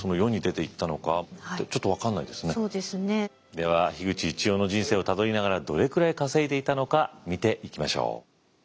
では口一葉の人生をたどりながらどれくらい稼いでいたのか見ていきましょう。